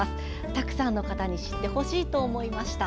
たくさんの方に知ってほしいと思いました。